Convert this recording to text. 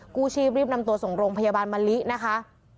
กู้ชีพรีบนำตัวส่งโรงพยาบาลมะลินะคะ